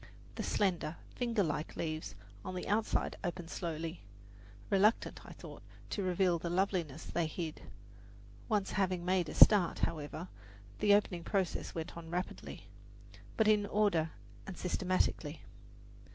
The slender, fingerlike leaves on the outside opened slowly, reluctant, I thought, to reveal the loveliness they hid; once having made a start, however, the opening process went on rapidly, but in order and systematically.